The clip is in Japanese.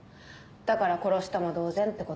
だから殺したも同然ってことね。